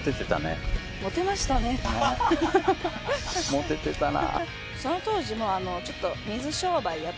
モテてたな。